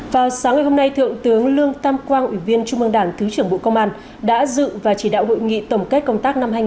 vào sáng ngày hôm nay thượng tướng lương tam quang ủy viên trung mương đảng thứ trưởng bộ công an đã dự và chỉ đạo hội nghị tổng kết công tác năm hai nghìn hai mươi